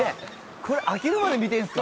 これ飽きるまで見てるんですか？